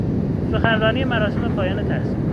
سخنرانی مراسم پایان تحصیل